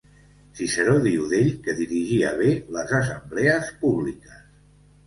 Ciceró diu d'ell que dirigia bé les assemblees públiques.